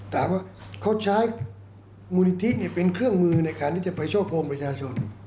ถามว่าเขาใช้มูลนิธิเป็นเครื่องมือในการที่จะไปช่อโกงประชาชน